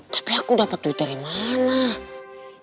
tapi aku dapat duit dari mana